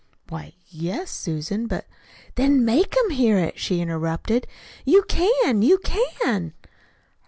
"Why, y yes, Susan; but " "Then make 'em hear it," she interrupted. "You can you can!"